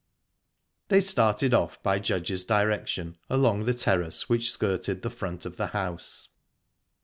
They started off, by Judge's direction, along the terrace which skirted the front of the house.